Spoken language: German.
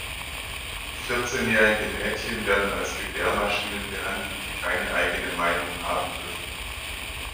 Vierzehnjährige Mädchen werden als Gebärmaschinen behandelt, die keine eigene Meinung haben dürfen.